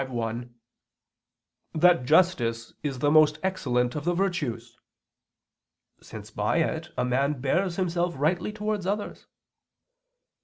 v, 1) "that justice is the most excellent of the virtues," since by it a man bears himself rightly towards others.